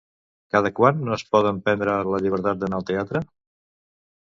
Cada quant no es poden prendre la llibertat d'anar al teatre?